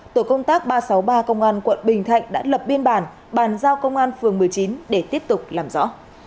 tổ công tác ba trăm sáu mươi ba công an quận bình thạnh đã lập biên bản bàn giao công an phường một mươi chín để tiếp tục làm rõ